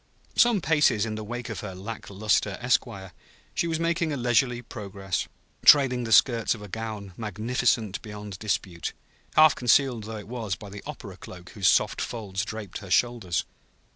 Some paces in the wake of her lack luster esquire, she was making a leisurely progress, trailing the skirts of a gown magnificent beyond dispute, half concealed though it was by the opera cloak whose soft folds draped her shoulders.